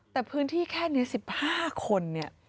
แต่พื้นที่แค่นี้๑๕คน